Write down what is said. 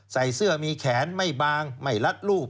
ใส่เสื้อมีแขนไม่บางไม่รัดรูป